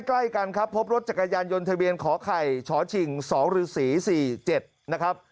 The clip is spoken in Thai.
ใกล้กันครับพบรถจักรยานยนต์ทะเบียนขอไข่ฉิง๒ฤษี๔๗นะครับ